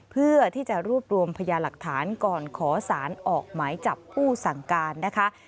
เพื่อที่จะรวบรวมพยาหลักฐานก่อนขอสารออกหมายจับผู้สั่งการนะคะ